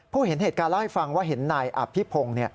เห็นเหตุการณ์เล่าให้ฟังว่าเห็นนายอภิพงศ์